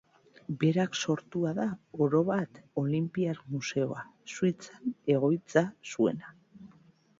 Berak sortua da, orobat, Olinpiar Museoa, Suitzan egoitza duena.